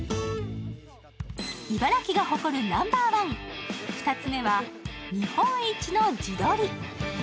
茨城が誇るナンバーワン、２つ目は日本一の地鶏。